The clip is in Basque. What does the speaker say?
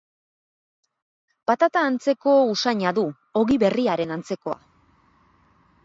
Patata antzeko usaina du, ogi berriaren antzekoa.